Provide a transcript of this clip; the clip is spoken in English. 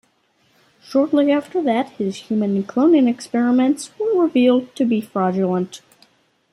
Shortly after that his human cloning experiments were revealed to be fraudulent.